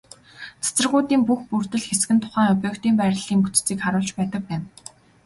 Цацрагуудын бүх бүрдэл хэсэг нь тухайн объектын байрлалын бүтцийг харуулж байдаг байна.